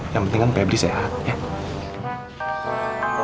yang penting kan pebri sehat